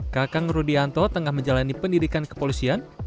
kakang rudianto tengah menjalani pendidikan kepolisian